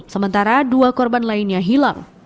sementara dua korban lainnya hilang